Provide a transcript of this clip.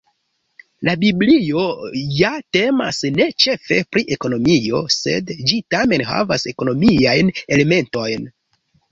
La biblio ja temas ne ĉefe pri ekonomio, sed ĝi tamen havas ekonomiajn elementojn.